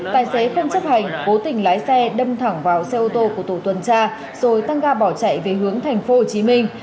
tài xế không chấp hành cố tình lái xe đâm thẳng vào xe ô tô của tổ tuần tra rồi tăng ga bỏ chạy về hướng thành phố hồ chí minh